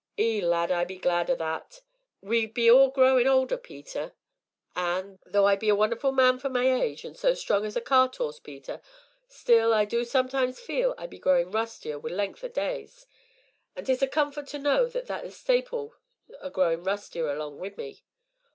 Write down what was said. "Eh, lad! but I be glad o' that we be all growin' older, Peter, an' though I be a wonnerful man for my age, an' so strong as a cart 'orse, Peter, still, I du sometimes feel like I be growin' rustier wi' length o' days, an' 'tis a comfort to know as that theer stapil's a growin' rustier along wi' me.